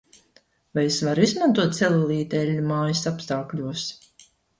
Vai es varu izmantot celulīta eļļu mājas apstākļos?